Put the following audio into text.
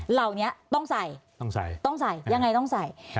เหล่านี้ต้องใส่ต้องใส่ต้องใส่ยังไงต้องใส่